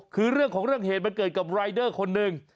คือเรื่องของเรื่องเหตุมันเกิดกับรายเดอร์คนหนึ่ง